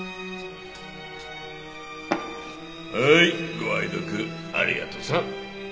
ご愛読ありがとさん。